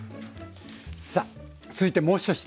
さあ続いてもう１品。